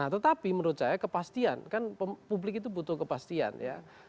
nah tetapi menurut saya kepastian kan publik itu butuh kepastian ya